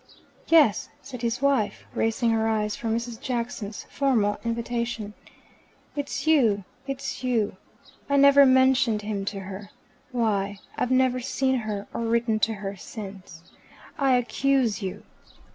"Yes?" said his wife, raising her eyes from Mrs. Jackson's formal invitation. "It's you it's you. I never mentioned him to her. Why, I've never seen her or written to her since. I accuse you."